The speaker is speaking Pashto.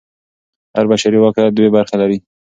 هر بشري واقعیت دوې برخې لري.